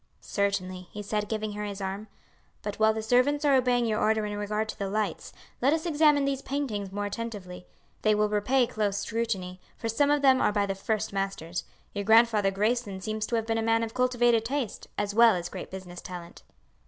"Certainly," he said, giving her his arm. "But while the servants are obeying your order in regard to the lights, let us examine these paintings more attentively. They will repay close scrutiny, for some of them are by the first masters. Your Grandfather Grayson seems to have been a man of cultivated taste, as well as great business talent."